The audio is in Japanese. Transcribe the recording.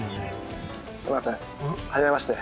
すみません初めまして。